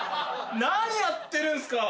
何やってるんすか！？